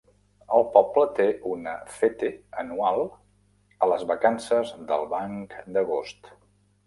El poble té una FETE anual a les vacances del Banc d'agost.